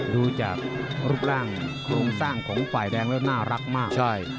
ดูจากรูปร่างโครงสร้างของฝ่ายแดงแล้วน่ารักมาก